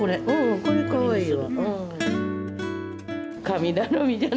これ、かわいいな。